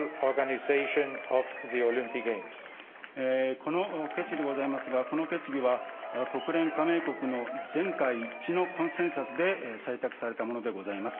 この決議でございますが、この決議は国連加盟国の全会一致のコンセンサスで採択されたものでございます。